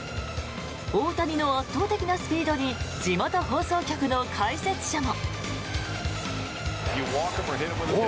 大谷の圧倒的なスピードに地元放送局の解説者も。